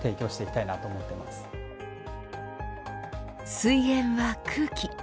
水源は空気。